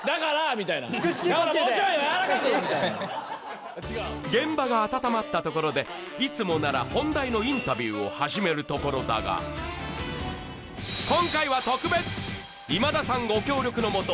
みたいなだから現場があたたまったところでいつもなら本題のインタビューを始めるところだが今回は特別今田さんご協力のもと